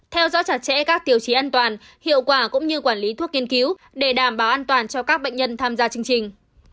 theo dõi chặt chẽ các tiêu chí an toàn hiệu quả cũng như quản lý thuốc nghiên cứu để đảm bảo an toàn cho các bệnh nhân tham gia chương trình